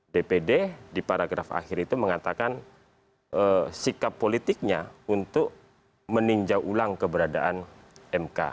dpd di paragraf akhir itu mengatakan sikap politiknya untuk meninjau ulang keberadaan mk